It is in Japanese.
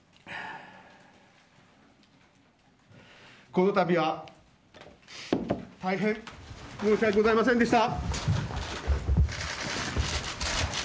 この度は大変申し訳ございませんでした。